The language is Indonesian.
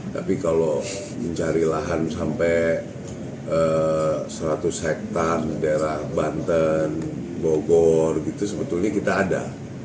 tapi kalau mencari lahan sampai seratus hektare di daerah banten bogor gitu sebetulnya kita ada